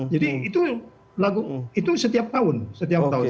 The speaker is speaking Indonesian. jadi itu lagu itu setiap tahun setiap tahun